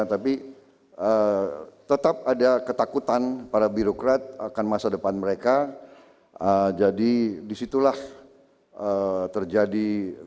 tapi tetap ada ketakutan para birokrat akan masa depan mereka jadi disitulah terjadi